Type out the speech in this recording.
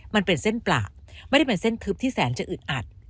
มันเป็นเส้นปลาไม่ได้เป็นเส้นทึบที่แสนจะอึดอัด